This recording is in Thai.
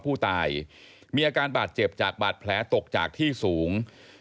ผู้ตายมีอาการบาดเจ็บจากบาดแผลตกจากที่สูง